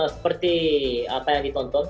seperti apa yang ditonton